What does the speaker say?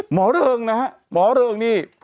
หมอเริ่งนะหมอเริ่งนี่